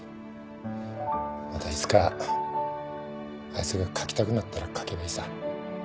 またいつかあいつが書きたくなったら書けばいいさ。